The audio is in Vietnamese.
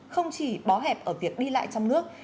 không chỉ bó hẹp ở việc đi lại trong nước